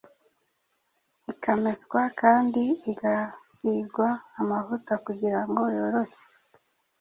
ikameswa, kandi igasigwa amavuta kugira ngo yorohe.